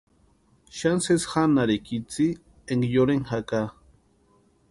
Xani sesi janharika itsï énka yorheni jaka.